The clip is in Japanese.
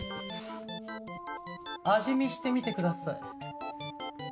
味見してみてください。